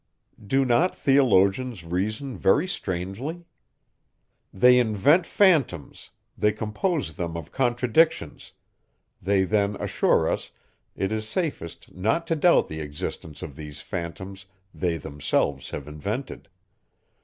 Do not theologians reason very strangely? They invent phantoms, they compose them of contradictions; they then assure us, it is safest not to doubt the existence of these phantoms they themselves have invented.